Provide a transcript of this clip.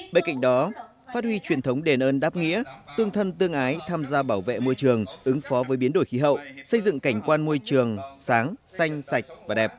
bên cạnh đó phát huy truyền thống đền ơn đáp nghĩa tương thân tương ái tham gia bảo vệ môi trường ứng phó với biến đổi khí hậu xây dựng cảnh quan môi trường sáng xanh sạch và đẹp